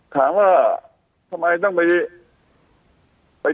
ถามว่าทำไมละมี